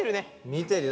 見てるよ。